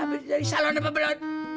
abis dari salon apa beneran